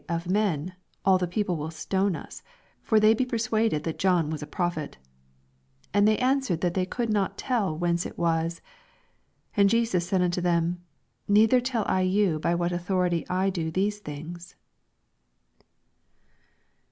Of men ; all the people will stone us : for they be persuaded that John was a prophet. 7 And they answered, that they could not tell whence U was. 8 And Jesus said unto them. Neither tell I you by what authority I do these things.